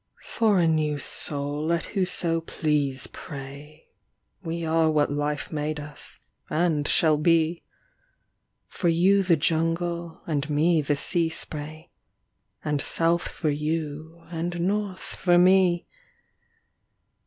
For a new soul let whoso please pray, We are what life made us, and shall be. For you the jungle and me the sea spray, And south for you and north for me.